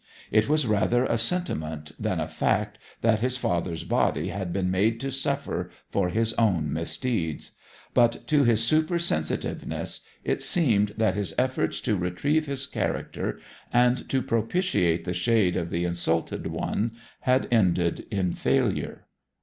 It was rather a sentiment than a fact that his father's body had been made to suffer for his own misdeeds; but to his super sensitiveness it seemed that his efforts to retrieve his character and to propitiate the shade of the insulted one had ended in failure.